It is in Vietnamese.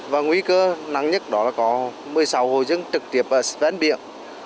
và nguy cơ năng nhất đó là có một mươi sáu hồ dưng trực tiếp ở xe vén biển